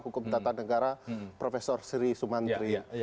hukum tata negara prof sri sumantri